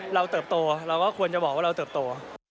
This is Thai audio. เติบโตเราก็ควรจะบอกว่าเราเติบโต